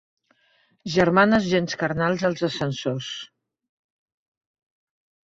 Germanes gens carnals als ascensors.